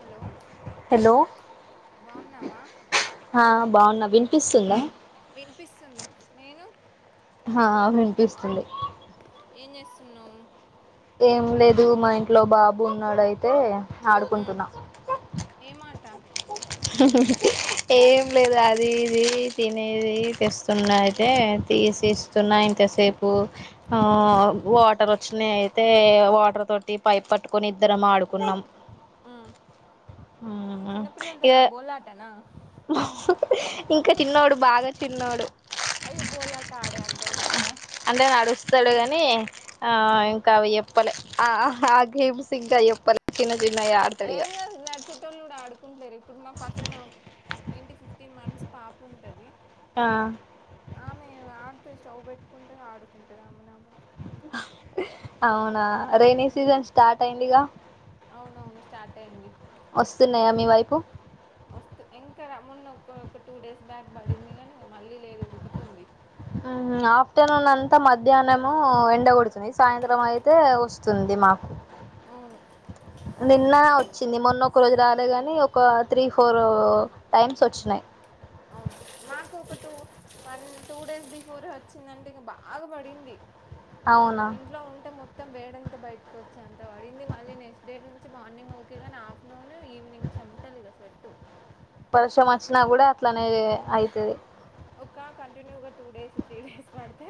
Hello hello బాన్నావా ఆ బాన్నా వినిపిస్తుందా వినిపిస్తుంది నేను హా వినిపిస్తుంది ఏం చేస్తున్నావ్ ఏం లేదు మా ఇంట్లో బాబు ఉన్నాడు అయితే ఉమ్ ఆడుకుంటున్నా ఏమాట ఏం లేదు అది ఇది తినేది తెస్తున్నా అయితే తీసేసి స్తున్నా ఇంతసేపు ఆ ఉమ్ వాటర్ వచ్చినయి తే వాటర్ తోటి పైప్ పట్టుకుని ఇద్దరం ఆడుకున్నాం. మ్మ్ తనా బోలాటలా ఇహ్ హి హి ఇంక చిన్నోడు బాగా చిన్నోడు అయ్యో బోలాట ఆడే అంత కూడా లేడా అంటే అడుస్తడు కానీ ఆ ఇంకా అవి [unintelligible] ప్పలె ఆ అహ్ ఆ గేమ్స్ ఇంక జెప్పలే చిన్నచిన్నగా ఆ ఏహే నడిచేటోళ్ళు కూడా ఆడుకుంటలేరా ఇప్పుడు మా పక్కన ఒక ఏంటి ఫిఫ్టీన్ మంత్స్ పాప ఉంటది. ఆ అ ఆమె ఇగ ఆడితే స్టవ్ పెట్టుకుంటే ఆడుకుంటది ఆమెనామెనే అవునా రైనీ ఉమ్ సీజన్ స్టార్ట్ అయిందిగా అవునవును స్టార్ట్ అయ్యింది. అస్తున్నదా మీ వైపు? మస్తు ఇంక మొన్న ఒక ఒక టూ డేస్ బ్యాక్ బడింది గాని ఇగ మళ్ళీ లేదు ఉడుకుతుంది. ఆఫ్టర్నూన్ అంతా మధ్యాహ్నము ఎండగొడుతుంది సాయంత్రం అయితే వస్త్ స్తుంది మాకు అవును నిన్నా వచ్చింది మొన్న ఒక రోజు రాలే గాని ఒక త్రీ ఫోరూ అవును నాకు ఒక two one two days before వచ్చిందంటే ఇగ బాగా బడింది. అవునా ఇంట్లో ఉంటే మొత్ త్తం వేడంత బయటకు వచ్చేంత పడింది మళ్ళీ నెక్స్ట్ డే నుంచి మార్నింగ్ ఓకే గానీ ఆఫ్ నూను ఈవినింగ్ చెమ్టలిగ స్వెట్టు పర్షం అచ్చినా కూడ అట్లనే ఏ అయితది ఒక్క కంటిన్యూగా టూ డేస్ త్రీ డేస్ పడితే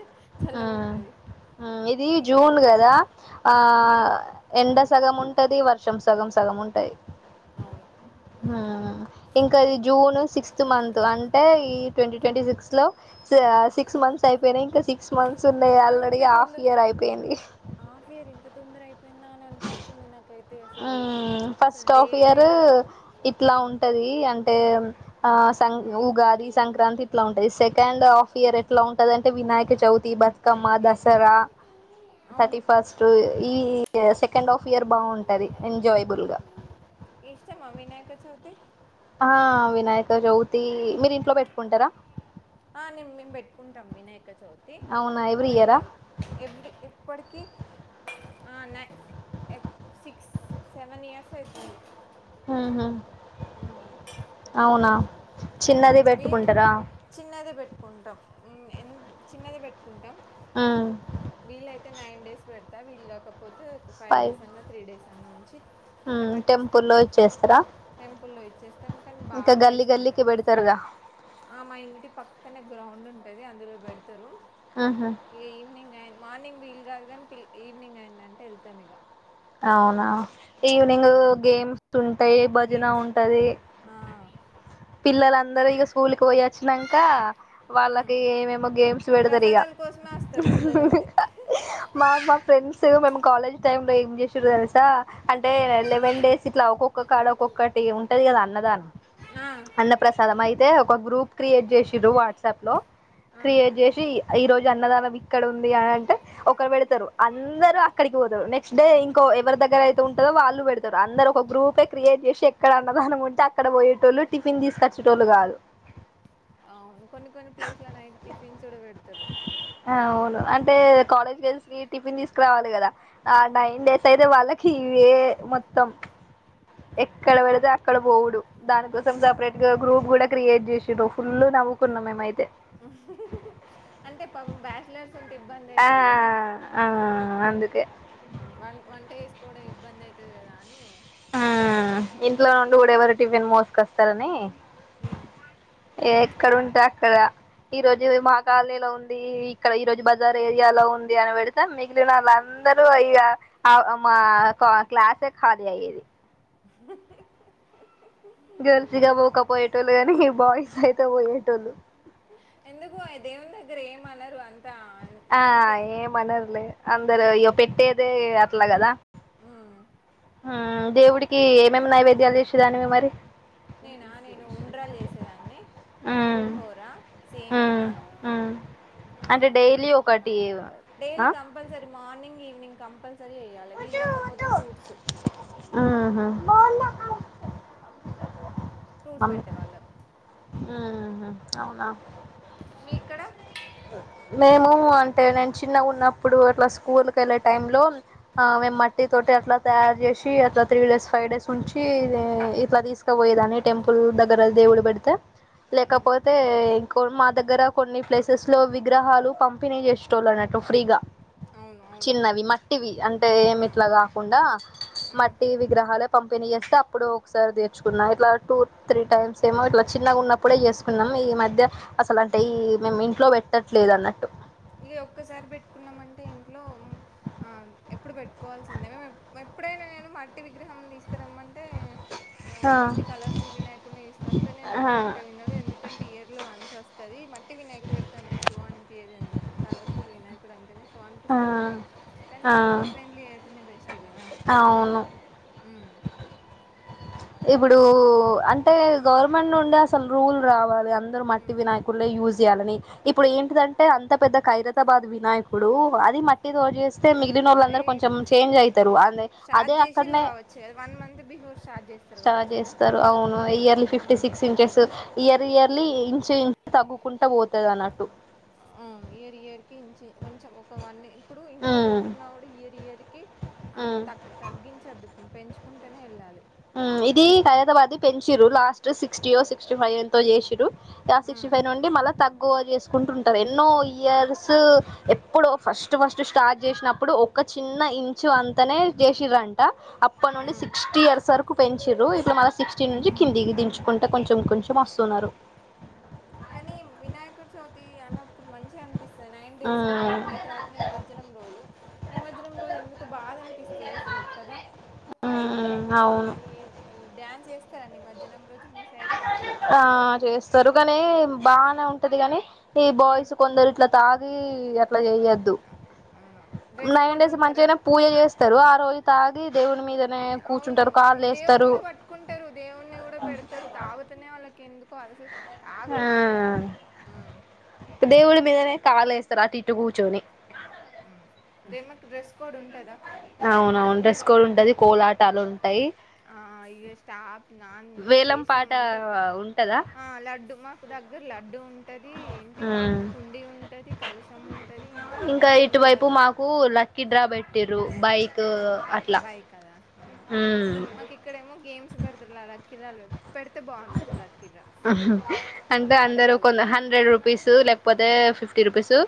ఆ చల్లగుంటది ఇది జూన్డ్ గదా ఆ మరి ఎండ ఉమ్, సగం ఉం టది వర్షం సగం సగం ఉంటయి అవును ఆ ఇంక ఈ జూన్ సిక్స్త్ మంత్ అంటే ఈ ట్వంటీ ట్వంటీ సిక్స్ లో సి ఆ సిక్స్ మంత్స్ అయిపోయినాయి ఇంక స్ క్స్ మన్సున్నయి ఆ ఆల్రెడీ ఇంత హాఫ్ తొందర ఇయర్ అయిపోయింది. హాఫ్ ఇయర్ ఇంత తొందర అయిపోయిందా అని అనిపిస్తుంది నాకైత్ తె అసలు ఒ ఉమ్ అసల్ ఫస్ట్ హాఫ్ డేస్ ఇయర్ అయితే వట్ ఇట్లా ఉంటది అంటే ఆ సంగ్ ఉమ్. ఉగాది సంక్రాంతి ఇట్లా ఉంటది. సెకండ్ హాఫ్ ఇయర్ ఎట్లా ఉంటదంటే వినాయక చవితి, బత్ కమ్మ, దసరా, అవును థర్టీ ఫస్ట్ ఈ సెకండ్ హాఫ్ ఇయర్ బావుంట్ ఎంజాయబుల్ అవును గా ఇష్టమా వినాయక చవితి? ఆ వినాయక చవితీ మీరు ఇంట్లో పెట్టుకుంటరా? ఆ నేన్ మేమ్ బెట్టుకుంటం వినాయక చవితి అవునా ఎవ్రీ ఒకవేళ ఇయరా ఎపుడు ఇప్పటికీ ఆ [unintelligible] సిక్స్ సెవెన్ ఇయర్స్ ఐతుంది. ఊహు! ఉమ్ పెట్టుకోరా ఉమ్ చిన్నది మీర్ పెట్టుకుంటారా చిన్నదిే పెట్టుకుంటాం ఎ చిన్నది పెట్టు కుంటాం ఉమ్ వీళ్ళైతే నైన్ డేస్ పెడతా వీళ్ళు కాకపోతే ఒక ఫైవ్ డేస్ అన్న త్రీ డేస్ ఉంచి అక్కడ ఉమ్ పెట్టేస్తాం టెంపుల్లో ఇచ్చేస్తారా టెంపుల్లో ఇచ్చేస్తాం కానీ ఇంకా అళ్లు గల్లీ గల్లీకి చేసుకుంటార్ పెడతారుగా ఆ మా ఇంటింటి పక్కనే గ్రౌండ్ ఉంటుది అందులో పెడతారు ఆహా ఇక ఈవినింగ్ అయింద మార్నింగ్ వీల్లు కాదు కానీ పి ఈవినింగ్ అయిందంటే వెళ్తాం ఇగ అవునా ఈవినింగ్ గేమ్స్ ఉంటాయి భజన గేమ్స్ ఉంటది పిల్లలందరుూ ఇక స్కూల్కిి పోయి అచ్చినంక వాళ్ళకి ఏమేమో గేమ్స్ పెడతరిగా ప్రసాదాల కోసమే వస్తారు పిల్లలైతే మాకు మా ఫ్రెండ్స్ మేము కాలేజ్ టైమ్ లో ఏం చేసిారు తెలుసా అంటే లెవెన్ డేస్ ఇట్లా ఒక్కొక్క కాడ ఒక్కొక్కటి ఉంటది కదా అన్నదానం ఆ అన్న ప్రసాదం అయితే ఒక గ్రూప్ క్రియేట్ చేసి్రారు వాట్సాప్ లో ఆ క్రియేట్ చేసి ఈ రోజు అన్నదానం ఇక్కడ ఉంది అని అంటే ఒకరు వెడతారు అందరుూ అక్కడికి పోతారు నెక్స్ట్ డే కో ఎవరి దగ్గర అయితే ఉంటందో వాళ్ళు పెడతారు అందరు ఒక గ్రూపే క్రియేట్ చేసి ఎక్కడ అన్నదనంంటే అక్కడ పోయేటోళు టిఫిన్ తీసుకచ్చేటోళ్ళు కాదు అవును కొన్ని కొన్ని ప్లేస్ల నైట్ టిఫిన్స్ కూడా పెడతారు అవును అంటే కాలేజ్ గల్స్ కి టిఫిన్ తీసుకురావాలి కదా ఆ అవును నైన్ డేస్ అయితే వాళ్ళకి ఇవే మొత్తం ఎక్కడ పెడతే అక్కడ పోవుడు దానికోసం సపరేట్ గా గ్రూప్ కూడా క్రియేట్ చేసాము ఫుల్ నవ్వుకున్నాం మేమైతే అంటే పాపం బ్యాస్ అట్ల స్ొంత ఇబ్బంది ఆ అయితది కదా ఆ అందుకే ఉ వాన్ వంట వేసుకోవడం ఇబ్బంది అయితది కదా అని ఆ ఇంట్లో నుండి కూడా ఎవరు టిఫిన్ మోసుకొస్తారని ఉ ఏ ఎక్కడ ఉంటే అక్కడ ఈ రోజు మా కాలనీలో ఉంది ఇక్కడ ఈ రోజు బజార్ ఏరియాలో ఉంది అనిబడి మిగిలిన వాళ్ళ అందరూ అయ మా క్లాసే ఖాళీ అయ్యేది అహ గర్ల్స్ ఈగ పోకపోయేటోలు గాని బాయ్స్ అయితే పోయేటోళ్ళు ఎందుకు ఆ దేవుని దగ్గర ఏమనరు ఆ మనకే ఏమనర్లే అందరు అవును ఇయ్యో పెట్టేదే అట్లా కదా ఉమ్ ఆ ఉమ్. దేవుడికి ఏమేమి నైవేద్యాలు చేసేదాన్నివి మరి నేనా నేను ఉండ్రాలు చేసేదాన్ని మ్మ్ పులిహోర సేమియా మ్మ్ మ్మ్ అంటే ఆ డైలీ ఒకటి ఆ daily compulsory morning evening compulsory చేయాలి వీలు కాకపోతే ఫ్రూట్స్ ఆహా ఫ్రూట్స్ పెట్టేవాళ్ళం ఉ అవునా మీ ఇక్కడ మేము అంటే నేను చిన్నగా ఉన్నప్పుడు అట్లా స్కూల్ కి వెళ్ళే టైం లో ఆ మే ఉమ్, మట్టి తోటి అట్లా తయారు చేసి అట్లా త్రీ డేస్ ఫైవ్ డేస్ ఉంచి ఇట్లా తీసుకపోయేదాని టెంపుల్ దగ్గర దేవులు పెడితే లేకపోతే ఇంకో మా దగ్గర కొన్ని ప్లేసెస్ లో విగ్రహాలు పంపిణీ చేస్తు టొల్ అన్నట్టు ఫ్రీగా అవును అవును చిన్నవి మ టివి అంటే ఏమి ఇట్ల కాకుండా ఉమ్, మట్టి విగ్రహాలే పంపిణీ చేస్తే అప్పుడు ఒకసారి తెచ్చుకున్నా ఇట్లా టూ త్రీ టైమ్స్ ఏమో ఇట్లా చిన్నగా ఉన్నప్పుడే చేసుకున్నాం ఈ మధ్య అసలు అంటే ఈ మేము ఇంట్లో పెట్టట్లేదు అన్నట్టు ఇక ఒక్కసారి పెట్టుకున్నామంటే ఇంట్లో మ్ ఆ ఎప్పుడు పెట్టుకోవాల్సిందే మేము ఎప్పుడైనా నేను మట్టి విగ్రహం తీసుకురమ్మంటే ఆ ఏంటి కలర్ఫుల్ వినాయకుడిని తీసుకొస్తే నేను ఆ వద్దంటే వినడు ఎందుక ంటే ఇయర్ లో వన్స్ వస్తుది మట్టి వినాయకుడు పెడితే అంత షో అనిపియది ఎందుకు కలర్ఫుల్ వినాయక ఇప్పుడు అంతేనే షో ఆ అనిపిస్తుంది కానీ కానీ ఈకో ఆ ఫ్రెండ్లీ అయితేనే బెస్ట్ కదా అవును మ్ ఇప్పుడు అంటే గవర్నమెంట్ నుండి అసలు రూల్ రావాలి అందరూ మట్టి వినయి కుడ్నె యూజ్ చేయాలని ఇప్పుడు ఏంటి దంటే అంత పెద్ద ఖైర బాద్ వినాయకుడు అది మట్టి తోచేస్తే మట్టితోనే మిగిలినోళ్ళు అందరూ ఏ కొంచెం చేంజ్ అయితరు ఆణే స్టార్ట్ చేసిరి గావచ్చు వన్ మంత్ బిఫోర్ స్టార్ట్ చేసి స్టార్ట్ చేస్తారు అవును yearly fifty six inches year yearly inch inch తగ్గుకుంటూ పోతది అన్నట్టు ఆ ఇయర్ ఇయర్ కి ఇ కొంచెం ఒకవన్న ఇప్పుడు ఇంట్లో ఉమ్ పెట్టుకున్న ఇయరి ఇయరికి ఉమ్ త తగ్గించద్దు పెంచుకుంటేనే వెళ్ళాలి ఇది హైదరాబాద్ పెంచిరు లాస్ట్ సిక్స్టీ యొ సిక్స్టీ ఫైవ్ ఎంతో చేసిరు యా సిక్స్టీ ఉమ్ ఫైవ్ నుండి మళ్ళీ తగ్గువ చేసుకుంటు ఉంయుంటరు ఎన్నో ఇయర్స్ ఎప్పుడో ఫస్ట్ ఫస్ట్ స్టార్ట్ చేసినప్పుడు ఒక చిన్న ఇంచు అంతనే చేసిరంట అప్పు ప్ప నుండి ఉమ్ సిక్స్టీ ఇయర్స్ వరుకు పెంచిరి ఇట్లా మన సిక్స్టీ నుంచి కిందికి దించుకుంటే కొంచెం కొంచెం వస్తున్నారు కానీ వినాయకుడు చవితి అన్నప్పుడు మంచిగా అనిపిస్తుంది నైన్ డేస్ ఉండి మ్ ఉండి తర్వాత న నిమజ్జనం రోజు నిమజ్జనం రోజు ఎందుకో బాధ అనిపిస్తుంది కదా ఉ అవును ఈ డ్యాన్స్ యేస్తారండి నిమజ్జనం రోజు మీ సైడు ఆ చేస్తారు కానీ బానే ఉంటది కాగాని ఈ హ్మ్. బాయ్స్ కొందరు ఇట్ల తాగి అట్లా అవును. చేయొద్దు అ అవునవును. డ్రెస్ నైన్ కోడ్ డేస్ ఉంటారా? మంచిగానే పూజ చేస్తారు ఆ రోజు తాగి దేవుని మీదనే ఏ, అవును. కూర్చుంటరు కాళ్లు దేవుడిని వేస్తారు గూడా పట్టుకుంటారు. దేవుడిని గూడా పెడతారు. తాగుతనే వాళ్ళకి ఎందుకో అసలు ఆ తాగొద్దు దేవుడి మీదనే కాలు వేస్తారు ఆటు ఇట్టు కూర్చొని దే మాకు డ్రెస్ కోడ్ ఉంటుందా అవునవును డ్రెస్ కోడ్ ఉంటది కోలాటాలు ఉంటాయి ఆ ఇయ్యో స్టాప్ నాన్ వేలం చేసినా పాట అంటే ఉంటదా ఆ లడ్డుమా దగ్గర లడ్డూ ఉన్ ఉంటది ఏంటి ఉమ్ హుండి ఉంటది కలశం ఉంటది ఇంకా వినాయకుడి మీద ఊ లక్కకి డ్రా పెటిరు బైక్ అట్లా బైక్ కదా అవునవును ఉమ్ మాకు ఇక్కడేమో గేమ్స్ పెడతుారులాలా కిరాలు పెడితే బాగుం అసలు లక్కీ డ్రా అంటే అందరు అడగాలి కొంద హండ్రెడ్ రూపీస్ లేకపోతే ఫిఫ్టీ రుపీసు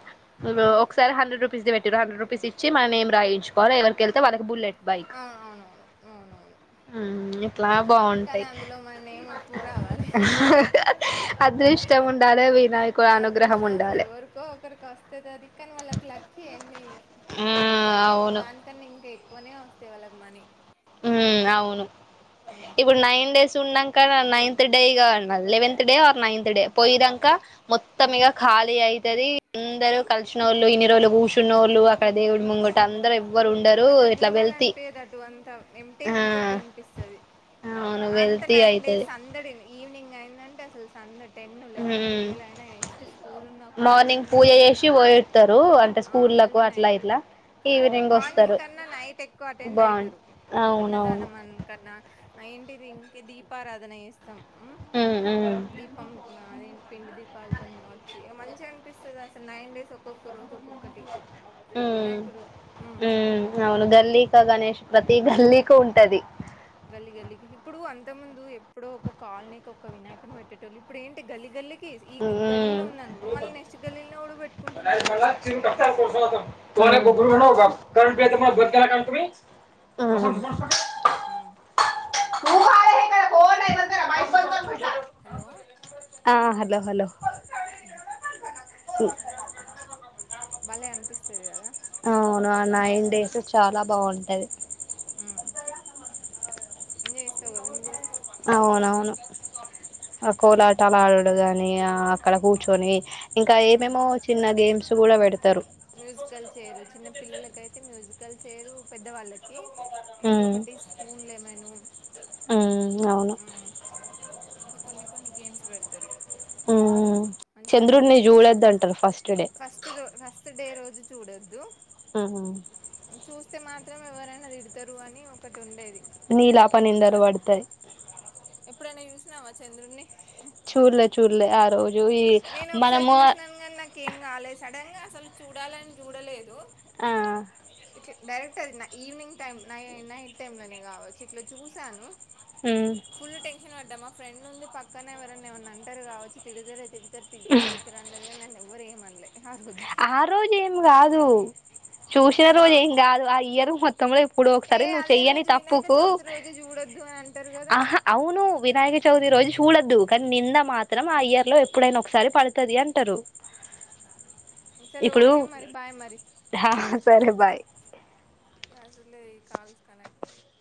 ఉమ్ ఒకసారి హండ్రెడ్ రూపీస్ ది పెట్టిర్రు హండ్రెడ్ రూపీసి చ్చి మన నేమ్ రాయిచ్చు కోవాలి ఎవరికి ఎళ్తే వాళ్ళ బుల్లె బైక్ అవును అవునవును అవునవును ఉమ్ ఇట్లా బావుంటాయి ఔనా నేను అంతే ఇష్టం ఉండాలె వినాయకు అది అనుగ్రహం అదృష్టం ఉండా అసలు ఎవరికో ఒకరికి వస్తది అది కాని వాళ్ళకి లక్కి ఎన్ని ఆ ఎంతయితే అంతే అవును దా కన్నా ఇంకా ఎక్కువనే వస్తే వాళ్ళకి మనీ ఉమ్ అవును ఉమ్ ఇప్పుడు నైన్ డేస్ తిన్నాంక నైన్త్ డేగా ఉండాలి eleventh day or ninth day పొయిదంక మొత్తం ఉమ్ ఇగా ఖాళీ అయితది అందరూ కలిసినోళ్ళు ఇన్ని రోజులు కూర్చున్నోళ్ళు అక్కడ దేవుడి ముంగట అవును అందరూ ఎవ్వరు ఉండరు ఇట్లా వెళ్తి టు గటూ అంతా ఎంటీ ఆ ఎంటీగ కనిపిస్తది అవును అంత వెళ్తి నైన్ డేస్ అయితది సందడిని ఈవినింగ్ అయిందంటే అసలు సందట్ టెన్ లెవెన్ ఉమ్ టువెల్వ్ అయినా ఎస్ట్ స్కూల్ ఉన్నా కాలేజ్ ఉన్నా ఎన్నున్నా తరు అంటే ఆ స్కూళ్లకు మళ్ళీ అట్లా నైటు ఇట్లా ఈవినింగ్ మార్నింగ్ వస్తారు కన్నా నైట్ ఎక్కువ అటెండ్ బాగుం ఐతారు అవునవును అన్నదానం అన్ కన్నా ఏంటిది ఇంకే దీపారాధన చేస్తం అవునా పం నా ఏంటి పిండి దీపాలతోని వచ్చి మంచిగా అనిపిస్తది అసలు నైన్ డేస్ ఒక్కొక్క రోజు ఒక్కొక్ క్కటి ఉమ్ వినాయకుడు మ్మ్ ఉమ్ అవును మ్మ్ గల్లీక గణష్ ప్రతీ గల్లికు ఉంటది గల్లి గల్లీకి ఇప్పుడు అంతకు ముందు ఎప్పుడో ఒక కాలనీకి ఒక్క వినాయకుడుని పెట్టేటోళ్ళు ఇప్పుడు ఏంటి గల్లి గల్లీ కి ఈ ఉమ్. గల్లీలో ఉందనుకో మళ్ళీ నెక్స్ట్ గల్లీల్లో కూడ పెట్టుకుంటున్నారు కదా [unintelligible] ఊమ్ హలో ఆ హలో హలో ఊ భలే అనిపిస్తది కదా అవును ఆ నైన్ డేసు చాలా బావుంటది ఊ ఎంజాయ్ చేస్తావు కదా నువ్వు కూడా అవునవును ఆ కోలాటాలు ఆడడు గానీ ఆ అక్కడ కూర్చొని ఇంకా మ్మ్ ఏమేమో చిన్న గేమ్స్ కూడా పెడతారు మ్యూజికల్ చెయిరు చిన్న పిల్లలకు అయితే మ్యూజికల్ చెయిరు పెద్దవాళ్ళకి ఉమ్, ఇంకొకటి స్పూన్ లెమను ఉమ్, అవును ఊ ఇంక కొన్ని కొన్ని గేమ్స్ పెడతారు ఊ మంచిగా చంద్రుడిని చూడొద్దు అంటారు ఫస్ట్ డే చిరు ఫస్ట్ డే రోజు చూడొద్దు ఊహూ చూస్తే మాత్రం ఎవరైనా తిడతరు అని ఒకటి ఉండేది నీలాపనిందరు వడతయ్ ఎప్పుడైనా చూసినావా చంద్రుణ్ణి చూడ్లే చూడ్లే ఆ రోజు ఈ నేను ఒకసారి మనము చూసినాను కానీ నాకు ఏం కాలే సడన్ గా అసలు చూడాలని చూడలేదు ఆ ఇట్లా డైరెక్ట్ అది ఈవినింగ్ టైం నై నైట్ టైంలనే కావచ్చు ఇట్లా చూసాను మ్ ఫుల్ టెన్షన్ పడ్డా మా ఫ్రెండ్ ఉంది పక్కనే ఎవరైన ఏమన్న అంటారు కావచ్చు తిడితేరే తి తరు తీడుతారు తిడుతరు అన్నది కని నన్ను ఎవ్వరు ఏం అనలే ఆ రోజేం కాదు చూసిన ఆ రోజు ఏం కాదు ఆ ఇయర్ మొత్ త్తముంలో ఏప్పుడో ఏ ఒకసారి నువ్వు అదే చెయ్యని రోజు వినాయక తప్పుకు చవితి రోజు చూడొద్దు అని అంటారు కదా ఆహ అవును వినాయక చవితి రోజు చూడద్దు కానీ నింద మాత్రం ఆ ఇయర్ లో ఎప్పుడైనా ఒకసారి పడుతది అంటారు సరే ఇప్పుడు ఓకే మరి బాయ్ మరి హా సరే బాయ్ అసలే ఈ కాల్స్ కనెక్ట్ అ